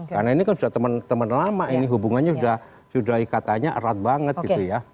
karena ini kan sudah teman lama ini hubungannya sudah ikatannya erat banget gitu ya